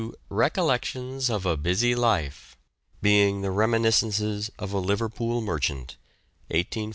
] RECOLLECTIONS OF A BUSY LIFE BEING THE REMINISCENCES OF A LIVERPOOL MERCHANT 1840 1910.